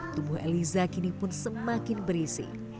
tubuh eliza kini pun semakin berisi